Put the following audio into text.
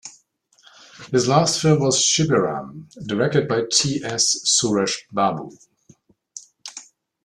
His last film was "Shibiram", directed by T. S. Suresh Babu.